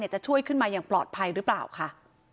จะช่วยขึ้นมาอย่างปลอดภัยหรือเปล่าค่ะ